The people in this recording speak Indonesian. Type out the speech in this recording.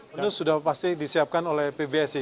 bonus sudah pasti disiapkan oleh pbs